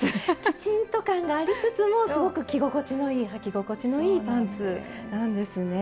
きちんと感がありつつもすごく着心地のいいはき心地のいいパンツなんですね。